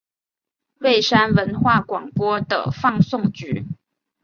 蔚山文化广播的放送局。